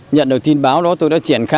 nhận được tin báo đó tôi đã triển khai